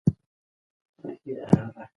د کیبورډ بټنې په خونه کې په چټکۍ سره وتړکېدې.